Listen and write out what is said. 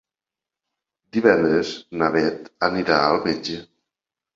Divendres na Bet anirà al metge.